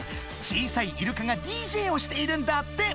小さいイルカがＤＪをしているんだって。